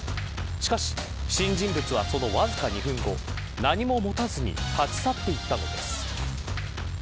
しかし、不審人物はそのわずか２分後何も持たずに立ち去っていったのです。